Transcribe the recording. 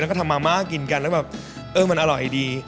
แล้วก็ทำมาม่ากินกันแล้วแบบเออมันอร่อยดี